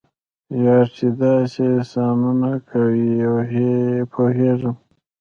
یار چې داسې احسانونه کوي پوهیږم.